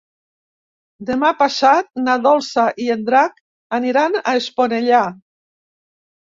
Demà passat na Dolça i en Drac aniran a Esponellà.